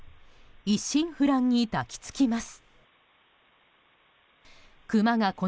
一心不乱に抱き着きます。